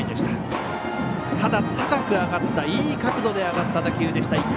ただ、高く上がったいい角度で上がった打球でした。